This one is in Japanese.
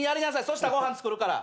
そしたらご飯作るから。